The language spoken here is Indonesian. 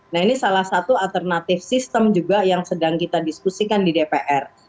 nah ini salah satu alternatif sistem juga yang sedang kita diskusikan di dpr